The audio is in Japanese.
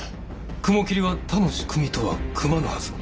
雲霧は他のしくみとは組まぬはず。